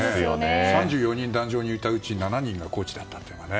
３４人壇上にいたうちの７人がコーチだというね。